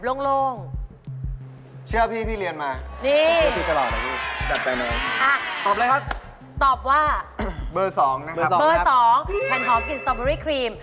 เบอร์๒แผนของกลิ่นสตรอเบอร์รี่ครีม